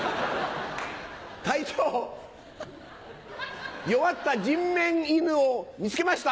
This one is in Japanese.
隊長弱った人面犬を見つけました！